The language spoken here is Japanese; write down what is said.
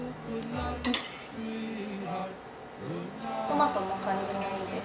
トマトの感じもいいです。